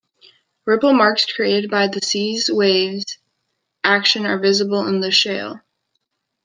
Ripple marks created by the sea's wave action are visible in the shale.